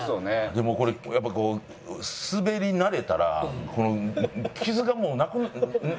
でもこれやっぱこうスベり慣れたら傷がもうなくなる傷がつかなくなる。